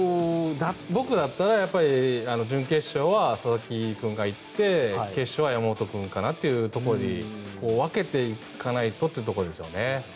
僕だったら準決勝は佐々木君が行って決勝は山本君かなというところで分けていかないとというところですよね。